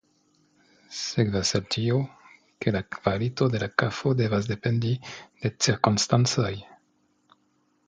Sekvas el tio, ke la kvalito de la kafo devas dependi de cirkonstancoj.